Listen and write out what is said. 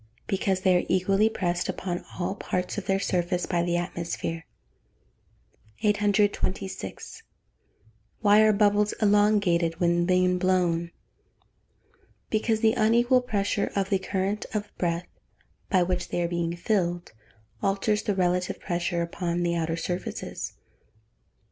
_ Because they are equally pressed upon all parts of their surface by the atmosphere. 826. Why are bubbles elongated when being blown? Because the unequal pressure of the current of breath by which they are being filled, alters the relative pressure upon the outer surfaces.